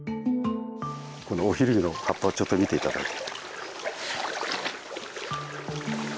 このオヒルギの葉っぱをちょっと見て頂いて。